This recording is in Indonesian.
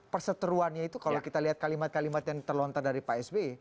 perseteruannya itu kalau kita lihat kalimat kalimat yang terlontar dari pak sby